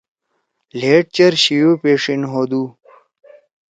لھیڈ چیر شیو پیݜیِن ہودُو۔